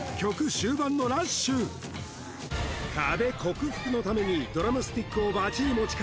終盤のラッシュ壁克服のためにドラムスティックをバチに持ち替え